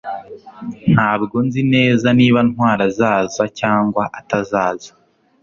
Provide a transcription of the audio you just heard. Ntabwo nzi neza niba Ntwali azaza cyangwa atazaza